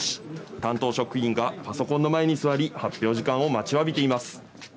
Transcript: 担当職員がパソコンの前に座り発表時間を待ちわびています。